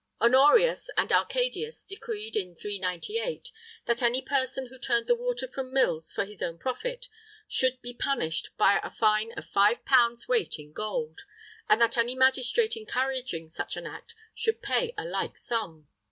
Honorius and Arcadius decreed, in 398, that any person who turned the water from mills for his own profit, should be punished by a fine of five pounds weight in gold; and that any magistrate encouraging such an act should pay a like sum.